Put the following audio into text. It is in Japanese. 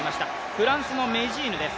フランスのメジーヌです。